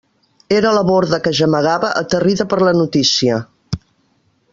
Era la Borda que gemegava, aterrida per la notícia.